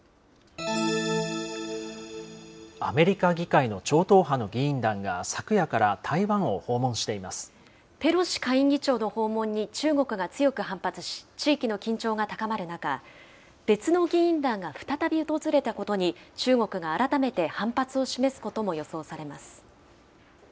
アメリカ議会の超党派の議員団が、昨夜から台湾を訪問していペロシ下院議長の訪問に中国が強く反発し、地域の緊張が高まる中、別の議員団が再び訪れたことに、中国が改めて反発を示すことも予想されます。